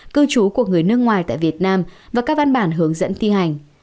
cư trú của người nước ngoài tại việt nam và các văn bản hướng dẫn thi hành